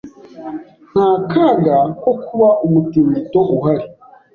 Nta kaga ko kuba umutingito uhari.